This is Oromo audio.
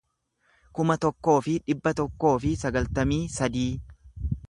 kuma tokkoo fi dhibba tokkoo fi sagaltamii sadii